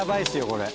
これ。